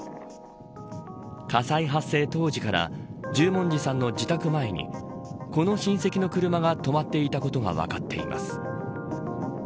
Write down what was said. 火災発生当時から十文字さんの自宅前にこの親戚の車が止まっていたことが分かっています。